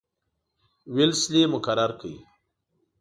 ویلسلي مقرر کړ.